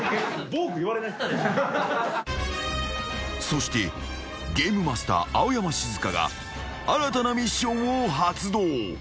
［そしてゲームマスター青山シズカが新たなミッションを発動］